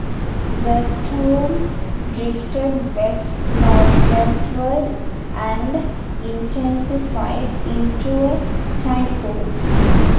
The storm drifted west-northwestward and intensified into a typhoon.